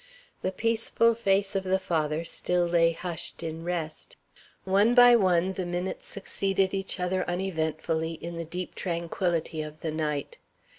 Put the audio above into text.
The peaceful face of the father still lay hushed in rest. One by one the minutes succeeded each other uneventfully in the deep tranquillity of the night.